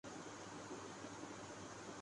تھے کتنے اچھے لوگ کہ جن کو اپنے غم سے فرصت تھی